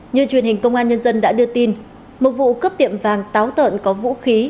như truyền hình công an nhân dân đã đưa tin một vụ cướp tiệm vàng táo tợn có vũ khí